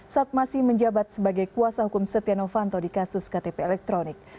saat masih menjabat sebagai kuasa hukum setia novanto di kasus ktp elektronik